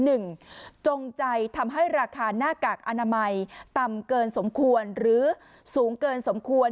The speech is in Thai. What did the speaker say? จงใจทำให้ราคาหน้ากากอนามัยต่ำเกินสมควรหรือสูงเกินสมควร